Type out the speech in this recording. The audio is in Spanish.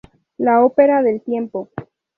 La ópera del tiempo.